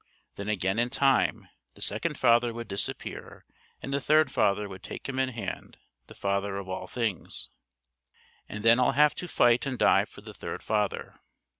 Then again in time the second father would disappear and the third Father would take him in hand the Father of all things. "And then I'll have to fight and die for the third Father."